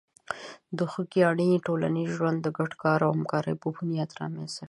د خوږیاڼي ټولنیز ژوند د ګډ کار او همکاري په بنیاد رامنځته شوی.